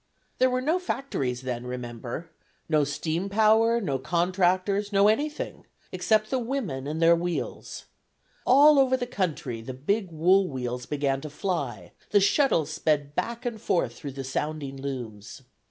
There were no factories then, remember: no steam power, no contractors, no anything except the women and their wheels. All over the country, the big wool wheels began to fly, the shuttles sped back and forth through the sounding looms.